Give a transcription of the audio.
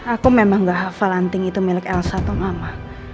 aku memang gak hafal anting itu milik elsa tuh mama